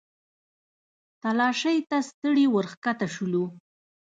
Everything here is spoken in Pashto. تلاشۍ ته ستړي ورښکته شولو.